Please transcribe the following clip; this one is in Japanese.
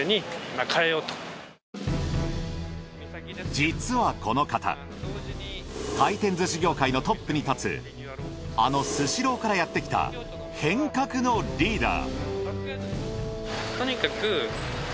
実はこの方回転寿司業界のトップに立つあのスシローからやってきた変革のリーダー。